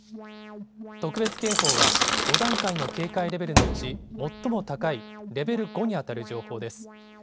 特別警報は５段階の警戒レベルのうち最も高いレベル５に当たる情報です。